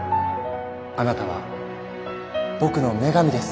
あなたは僕の女神です。